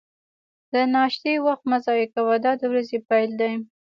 د ناشتې وخت مه ضایع کوه، دا د ورځې پیل دی.